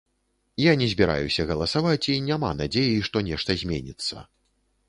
Я не збіраюся галасаваць і няма надзеі, што нешта зменіцца.